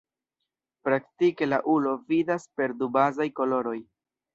Praktike la ulo vidas per du bazaj koloroj.